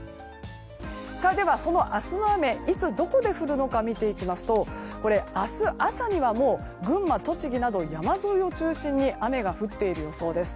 ではその明日の雨、いつどこで降るのか見ていきますとこれは明日朝には群馬、栃木など山沿い中心に雨が降っている予想です。